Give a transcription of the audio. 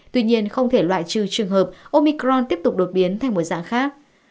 tuy nhiên không thể loại trừ trường hợp omicron tiếp tục đột biến thành một dạng khác